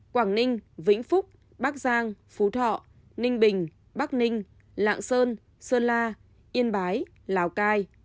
quảng ninh vĩnh phúc bắc giang phú thọ ninh bình bắc ninh lạng sơn la yên bái lào cai